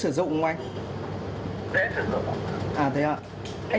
cái bộ này là xin bỏ đậu hoa hết